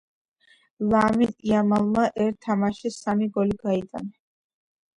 ლამინ იამალმა ერთ თამაშში სამი გოლი გაიტანა